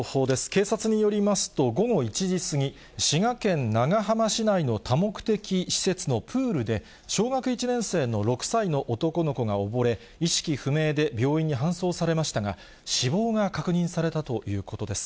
警察によりますと、午後１時過ぎ、滋賀県長浜市内の多目的施設のプールで、小学１年生の６歳の男の子が溺れ、意識不明で病院に搬送されましたが、死亡が確認されたということです。